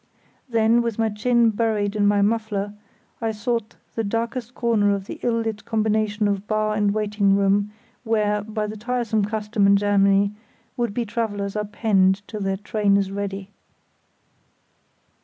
Then, with my chin buried in my muffler, I sought the darkest corner of the ill lit combination of bar and waiting room where, by the tiresome custom in Germany, would be travellers are penned till their train is ready.